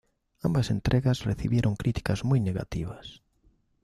Ambas entregas recibieron críticas muy negativas.